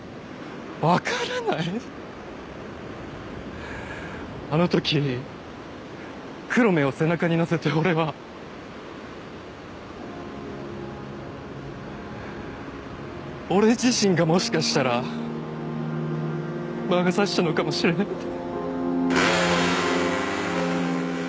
わからないあのとき黒目を背中に乗せて俺は俺自身がもしかしたら魔が差したのかもしれないんだ